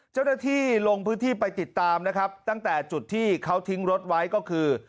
เจ้าหน้าที่ลงพื้นที่ไปติดตามนะครับตั้งแต่จุดที่เขาทิ้งรถไว้ก็คือ